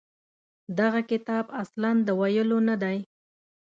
دغه کتاب اصلاً د ویلو نه دی.